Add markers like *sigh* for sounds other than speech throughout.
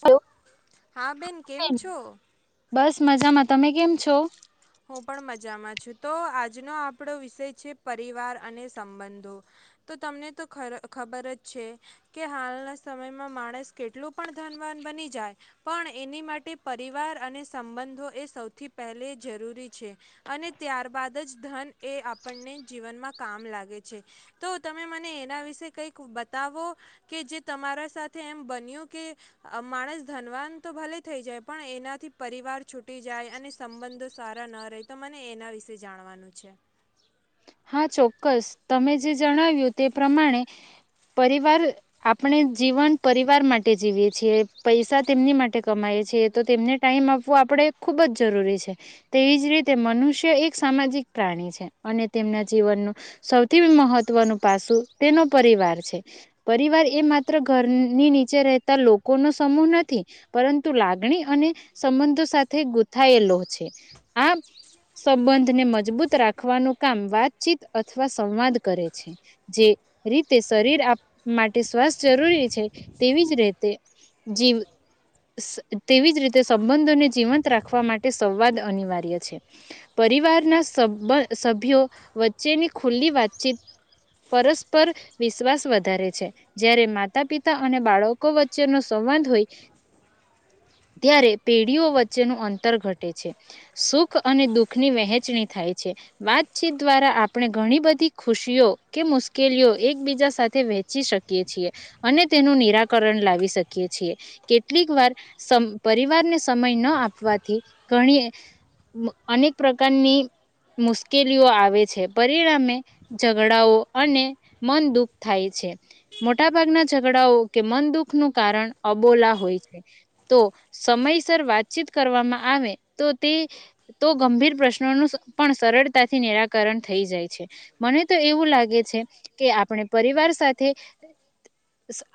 હું, હા બેન કેમ છો? મજામાં તમે કેમ છો? હું પણ મજામાં છું તો આજનો આપણો વિષય છે પરિવાર અને સંબંધો, તો તમને તો ખર ખબર જ છે, કે હાલના સમયમાં માણસ કેટલું પણ ધનવાન બની જાય. પણ એની માટે પરિવાર અને સંબંધો એ સૌથી પહેલે જરૂરી છે, અને ત્યારબાદ જ ધન એ આપણને જીવનમાં કામ લાગે છે, તો તમે મને એના વિશે કંઈક બતાવો, કે જે તમારા સાથે એમ બન્યું, કે માણસ ધનવાન તો ભલે થઈ જાય. પણ એનાથી પરિવાર છું. બીજાય અને સંબંધો સારા નારતો મને એના વિશે જાણવાનું છે. હા ચોક્કસ તમે જે જણાવ્યું તે પ્રમાણે, પરિવાર આપણે જીવન પરિવાર માટે જીવીએ છીએ. પૈસા તેમની માટે કમાય છે તો તેમને ટાઈમ આપવો આપણે ખૂબ જ જરૂરી છે, તેવી જ રીતે મનુષ્ય એક સામાજિક પ્રાણી છે અને તેમના જીવનનો, સૌથી મહત્વનું પાસું તેનો પરિવાર છે, પરિવાર એ માત્ર ઘરની નીચે રહેતા લોકોનો સમૂહ નથી, પરંતુ લાગણી અને, સંબંધો સાથે ગૂથાયેલો છે, આ સંબંધને મજબૂત રાખવાનો કામ વાતચીત અથવા સંવાદ કરે છે, જે રીતે શરીર આપ માટે શ્વાસ જરૂરી છે, તેવી જ રીતે, જીવ સ તેવી જ રીતે સંબંધોને જીવંત રાખવા માટે સંવાદ અનિવાર્ય છે, પરિવારના સંબંધ ભ્યો વચ્ચેની ખુલ્લી વાતચીત, પરસ્પર વિશ્વાસ વધારે છે, જ્યારે માતા પિતા અને બાળકો વચ્ચેનો સંવાધ હોય, ત્યારે પેઢીઓ વચ્ચેનું અંતર ઘટે છે, સુખ અને દુઃખની વહેંચણી થાય છે. વાતચીત દ્વારા આપણે ઘણી બધી ખુશીઓ કે મુશ્કેલીઓ એકબીજા સાથે વહેચી શકીએ છીએ, અને તેનું નિરાકરણ લાવી શકીએ છીએ, કેટલીક વાર પરિવારને સમય ન આપવાથી, ઘણી અનેક પ્રકારની મુશ્કેલીઓ આવે છે પરિણામે, ઝઘડાઓ અને મનદુઃખ થાય છે, મોટા ભાગના ઝઘડાઓ કે મનદુઃખ ન કારણ અબોલા હોય છે, તો સમયસર વાતચીત કરવામાં આવે તો તે તો ગંભીર પ્રશ્નોનું પણ સરળતાથી નિરાકરણ થઈ જાય છે, મને તો એવું લાગે છે કે, આપણે પરિવાર સાથે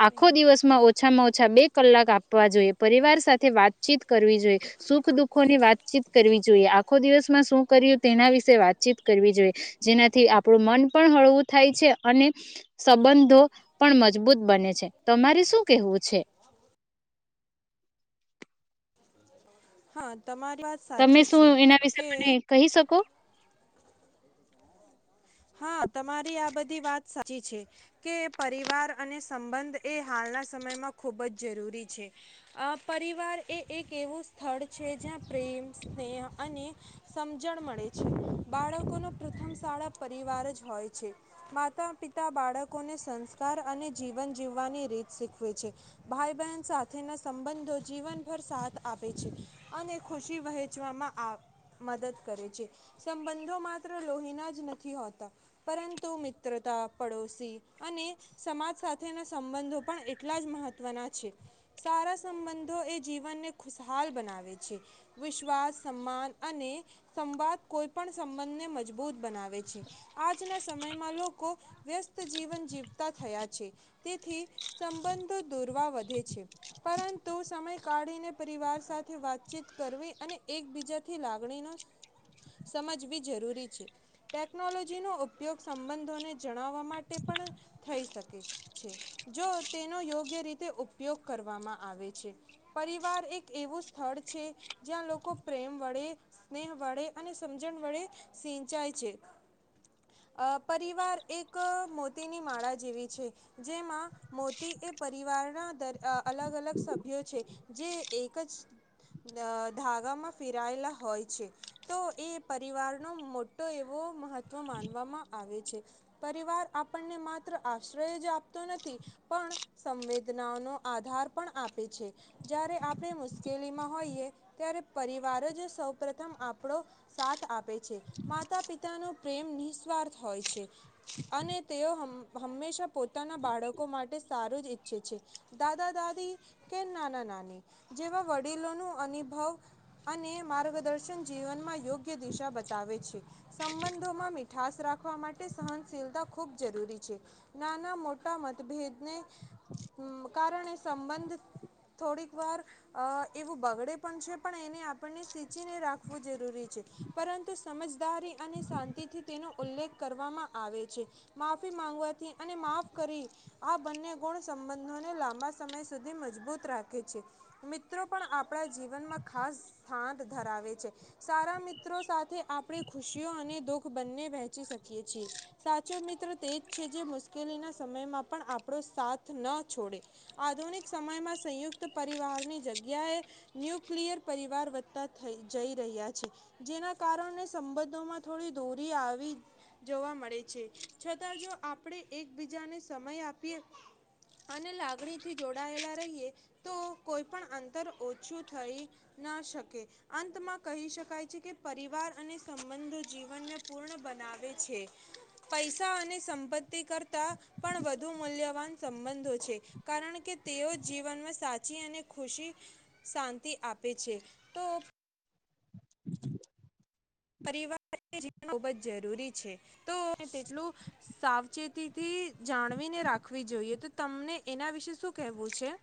આખો દિવસમાં ઓછામાં ઓછા બે કલાક આપવા જોઈએ પરિવાર સાથે વાતચીત કરવી જોઈએ, સુખ દુઃખો ની વાતચીત કરવી જોઈએ આખો દિવસમાં શું કર્યું તેના વિશે વાતચીત કરવી જોઈએ, જેનાથી આપણું મન પણ હળવું થાય છે અને સંબંધો પણ મજબૂત બને છે તમારે શું કેવું છે? હા. તમે શું એના વિશે મને કહી શકો? હા તમારી આ બધી વાત સાચી છે, કે પરિવાર અને સંબંધ એ હાલના સમયમાં ખુબ જ જરૂરી છે, પરિવાર એ એક એવું સ્થળ છે જ્યાં પ્રેમ સ્નેહ અને, સમજણ મળે છે, બાળકોના પ્રથમ શાળા પરિવાર જ હોય છે, માતા પિતા બાળકોને સંસ્કાર અને જીવન જીવવાની રીત શીખવે છે, ભાઈ બહેન સાથેના સંબંધો જીવનભર સાથ આપે છે, અને ખુશી વહેંચવામાં મદદ કરે છે, સંબંધો માત્ર લોહીના જ નથી હોતા, પરંતુ મિત્રતા પડોશી, અને સમાજ સાથેના સંબંધો પણ એટલા જ મહત્વના છે, સારા સંબંધો એ જીવનને ખુશહાલ બનાવે છે, વિશ્વાસ સમાન અને સંવાદ કોઈ પણ સંબંધને મજબૂત બનાવે છે. આજના સમયમાં લોકો વ્યસ્ત જીવન જીવતા થયા છે, તેથી સંબંધો દૂરવા વધે છે, પરંતુ સમય કાઢીને પરિવાર સાથે વાતચીત કરવી અને એકબીજાથી લાગણી ન સમજવી જરૂરી છે. ટેકનોલોજીનો ઉપયોગ સંબંધોને જણાવવા માટે પણ થઈ શકે છે, જો તેનો યોગ્ય રીતે ઉપયોગ કરવામાં આવે છે, પરિવાર એક એવું સ્થળ છે જ્યાં લોકો પ્રેમ વડે સ્નેહ વડે અને સમજણ વડે સિંચાય છે. અ પરિવાર એક મોતીની માળા જેવી છે, જેમાં મોતી એ પરિવારના અલગ અલગ સભ્યો છે, જે એક જ ધાગામાં ફિરાયેલા હોય છે, તો એ પરિવારનો મોટો બો મહત્વ માનવામાં આવે છે, પરિવાર આપણને માત્ર આશ્રય જ આપતો નથી, પણ સંવેદનાઓનો આધાર પણ આપે છે, જ્યારે આપણે મુશ્કેલીમાં હોઈએ ત્યારે પરિવાર જ સૌપથમ આપડો સાથ આપે છે, માતા પિતા માતા પિતાનો પ્રેમ નિસ્વાર્થ હોય છે, અને તેઓ હંમેશા પોતાના બાળકો માટે સારું જ ઈચ્છે છે, દાદા દાદી કે નાના નાની જેવા વડીલોનું અનુભવ અને માર્ગદર્શન જીવનમાં યોગ્ય દિશા બતાવે છે. સંબંધોમાં મીઠાસ રાખવા માટે સહનશીલતા ખૂબ જરૂરી છે, નાના મોટા મતભેદને, કારણે સંબંધ થોડીક વાર એવું બગડે પણ છે, પણ એને આપણને સીચીને રાખવું જરૂરી છે પરંતુ સમજદારી અને શાંતિથી તેનો ઉલ્લેખ કરવામાં આવે છે, માફી માંગવાથી અને માફ કરી આ બંને ગુણ સંબંધોને લાંબા સમય સુધી મજબૂત રાખે છે, મિત્રો પણ આપણા જીવનમાં ખાસ સ્થાંત ધરાવે છે, સારા મિત્રો સાથે આપણી ખુશીઓ અને દુઃખ બંને વહેંચી શકીએ છીએ, સાચો મિત્ર તેજ છે જે મુશ્કેલીના સમયમાં પણ આપણો સાથ ન છોડે, આધુનિક સમયમાં સંયુક્ત પરિવારની જગ્યાએ, ન્યુક્લિયર પરિવાર વધતા થઈ જઈ રહ્યા છે, જેના કારણે સબંધોમાં થોડી દૂરી આવી જોવા મળે છે, છતાં જો આપણે એકબીજાને સમય આપીએ અને લાગણીથી જોડાયેલા રહીએ, તો કોઈ પણ અંતર ઓછું થઈ ના શકે, અંતમાં કહી શકાય છે કે પરિવાર અને સંબંધો જીવનને પૂર્ણ બનાવે છે, પૈસા અને સંપત્તિ કરતા પણ વધુ મૂલ્યવાન સંબંધો છે, કારણ કે તેઓ જીવનમાં સાચી અને ખુશી, શાંતિ આપે છે, તો પરિવાર ખુબ જ જરૂરી છે, તો તેટલું સાવચેતીથી જાણવીને રાખવી જોઈએ તો તમને એના વિશે શું કહેવું છે?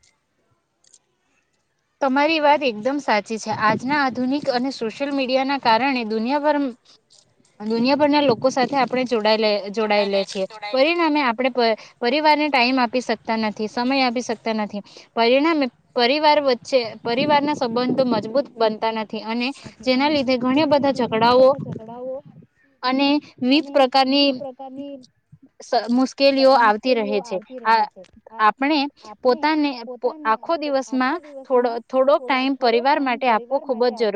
મારી વાત એકદમ સાચી છે આજના આધુનિક અને સોશિયલ મીડિયાના કારણે દુનિયાભર દુનિયાભરના લોકો સાથે આપણે જોડાયેલ જોડાયેલા છે, પરિણામે આપણેે પરિવારને ટાઈમ આપી શકતા નથી સમય આપી શકતા નથી, પરિણામે પરિવાર છે પરિવાર ના સંબંધો મજબૂત બનતા નથી. અને, જેના લીધે ઘણા બધા ઝઘડાઓ અને વિવિધ પ્રકારની મુશ્કેલીઓ આવતી રહે છે, આ આપણે પોતાને આખો દિવસમાં થોડો થોડોક ટાઈમ પરિવાર માટે આપવો ખૂબ જ જરૂરી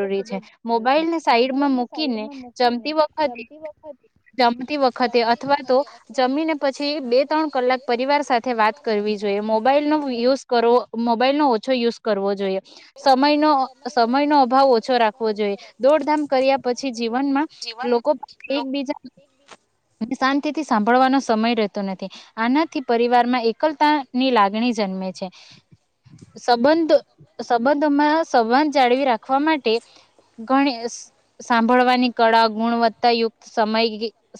મોબાઈલને સાઈડમાં મૂકીને જમતી વખતે જમતી, વખતે અથવા તો જમીને પછી બે ત્રણ કલાક પરિવાર સાથે વાત કરવી જોઈએ મોબાઈલ નો યુઝ કરવો મોબાઈલનો ઓછો યુઝ કરવો જોઈએ, સમયનો સમયનો અભાવ ઓછો રાખવો જોઈએ, દોડધામ કર્યા પછી જીવનમાં, લોકો એકબીજા શાંતિથી સાંભળવાનો સમય રહેતો નથી, આનાથી પરિવારમાં સકલતા ની લાગણી જન્મે છે, સંબંધ સંબંધમાં સંવાદ જાળવી રાખવા માટે, ઘણી સાંભળવાની કળા ગુણવત્તાયુક્ત સમય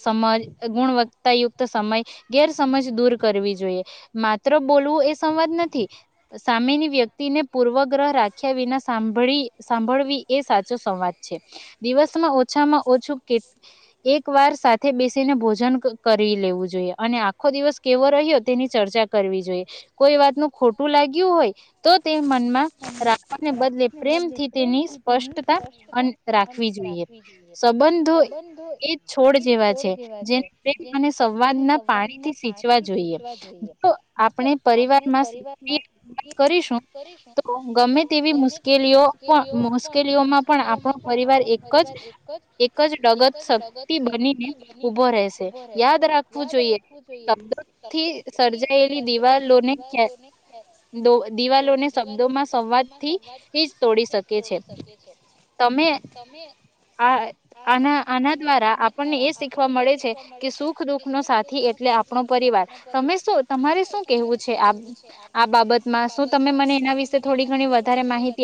સમજ ગુણવત્તાયુક્ત સમય, ગેરસમજ દૂર કરવી જોઈએ, માત્ર બોલવું એ સંવાદ નથી સામેની વ્યક્તિને પૂર્વગ્રહ રાખ્યા વિના સાંભળી સાંભળવી એ સાચો સંવાદ છે, દિવસમાં ઓછામાં ઓછું એક વાર સાથે બેસીને ભોજન કરી લેવું જોઈએ, અને આખો દિવસ કેવો રહ્યો તેની ચર્ચા કરવી જોઈએ, કોઈ વાતનું ખોટું લાગ્યું હોય તો તે મનમાં રા ને બદલે પ્રેમથી તેની સ્પષ્ટતા રાખવી જોઈએ, સંબંધો એ છોડ જેવા છે, જેને પ્રેમ અને સંવાદના પાણીથી સીચવા જોઈએ, જો આપણે પરિવારમાં કરીશું તો ગમે તેવી મુશ્કેલી તેવી મુશ્કેલીઓ પણ મુશ્કેલીઓમાં પણ આપણા પરિવાર એક જ, એક જ ડગત શક્તિ બનીને ઉભો રહેશે, યાદ રાખવું જોઈએ સર્જાયેલી દિવાલોને *unintelligible* શબ્દોમાં સંવાદ થી તોડી શકે છે, તમે આ આના આના દ્વારા આપણને એ શીખવા મળે છે કે, સુખ દુઃખ નો સાથી એટલે આપણો પરિવાર, તમે શું તમારે શું કેહેવું છે આ આ બાબતમાં શું તમે મને વિશે થોડી ઘણી વધારે માહિતી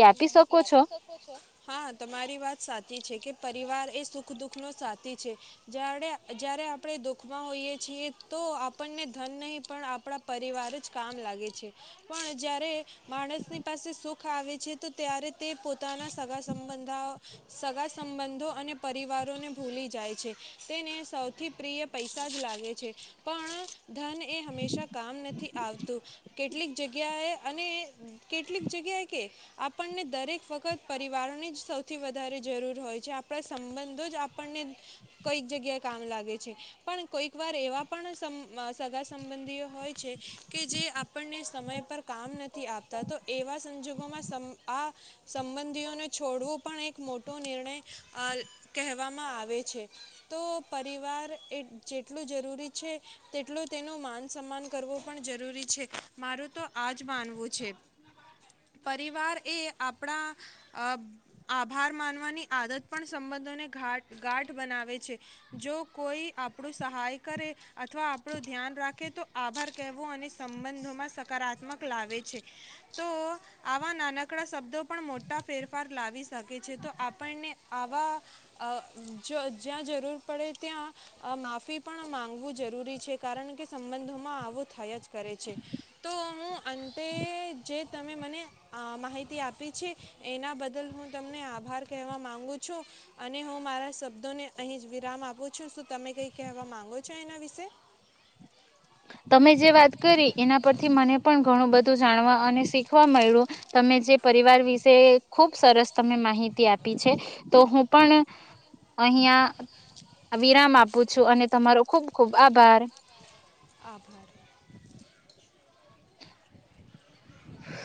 હા તમારી વાત સાચી છે કે પરિવાર *unintelligible* એ સુખ દુઃખનો સાથી છે, જ્યારે જ્યારે આપણે દુઃખમાં હોઈએ છીએ તો આપણને ધન નહીં પણ આપણા પરિવાર જ કામ લાગે છે, પણ જ્યારે માણસની પાસે સુખ આવે છે ત્યારે તે પોતાના સગા સંબંધા સગા સંબંધો અને પરિવારોને ભૂલી જાય છે, તેને સૌથી પ્રિય પૈસા જ લાગે છે, પણ ધન એ હંમેશા કામ નથી આવતું, કેટલીક જગ્યાએ અને કેટલીક જગ્યાએ કે આપણને દરેક વખત પરિવારની જ સૌથી વધારે જરૂર હોય છે, આપણા સંબંધો જ આપણને કઈક જગ્યાએ કામ લાગે છે, પણ કોંઈકવાર એવા પણ સમ સગા સંબંધીઓ હોય છે, કે જે આપણને સમય પર કામ નથી આપતા તો એવા સંજોગોમાં સમ આ સંબંધીઓને છોડવું પણ એક મોટો નિર્ણય કહેવામાં આવે છે, તો પરિવાર એ જેટલું જરૂરી છે, તેટલું તેનું માન સન્માન કરવું પણ જરૂરી છે, મારું તો આજ માનવું છે, પરિવાર એ આપણા, આભાર માનવાની આદત પણ સંબંધોનેા ગાંઢ બનાવે છે, જો કોઈ આપણું સહાય કરે, અથવા આપણું ધ્યાન રાખે તો આભાર કહેવો અને સંબંધોમાં સકારાત્મક લાવે છે, તો આવા નાન આપણા શબ્દો પણ મોટા ફેરફાર લાવી શકે છે તો આપણને આવા, જ્યાં જરૂર પડે ત્યાં માફી પણ માગવું જરૂરી છે કારણ કે સંબંધોમાં આવો થયા જ કરે છે, તો હું અંતે જે તમે મને માહિતી આપી છે, એના બદલ હું તમને આભાર કહેવા માંગુ છું, અને હું મારા શબ્દોને અહી જ વિરામ આપું છું શું તમે કઈ કહેવા માંગો છો એના વિશે? તમે જે વાત કરી એના પરથી મને પણ ઘણું બધું જાણવા અને શીખવા મળ્યું, તમે જે પરિવાર વિશે ખુબ સરસ તમે માહિતી આપી છે, તો હું પણ અહં વિરામ આપું છું અને તમારો ખુબ ખુબ આભાર. આભાર.